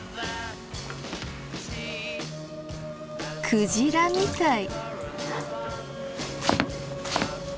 クジラみたい。